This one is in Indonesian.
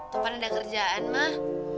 toho pan ada kerjaan mah